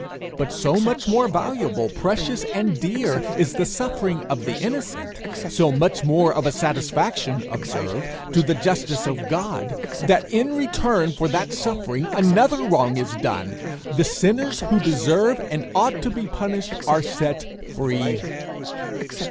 But so much more valuable, precious, and dear, is the suffering of the innocent, so much more of a satisfaction observe to the justice of God, that in return for that suffering another wrong is done: the sinners who deserve and ought to be punished are set free.